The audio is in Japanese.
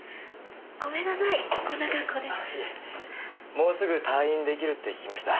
もうすぐ退院出来るって聞きました。